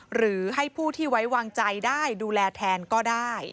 หรือให้ผู้ที่ไว้วางใจได้ดูแลแทนก็ได้